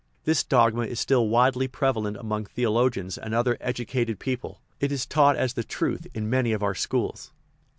This dogma is still widely prevalent among theologians and other * educated " people ; it is taught as the truth in many of our schools.